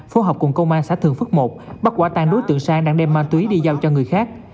phố học cùng công an xã thường phước một bắt quả tàn đối tượng sang đang đem ma túy đi giao cho người khác